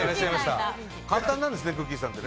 簡単なんですね、くっきー！さんって。